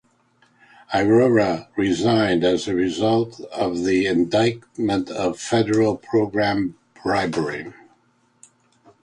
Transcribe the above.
Arroyo resigned as the result of an indictment of federal program bribery.